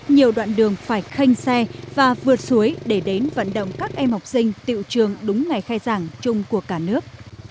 nhiều đoạn đường phải khanh xe và vượt suối để đến vận động các em học sinh tiệu trường đúng ngày khai giảng chung của cả nước